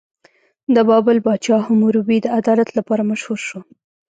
د بابل پاچا حموربي د عدالت لپاره مشهور شو.